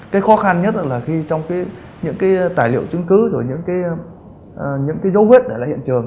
cái khó khăn nhất là khi trong những cái tài liệu chứng cứ rồi những cái dấu vết để lại hiện trường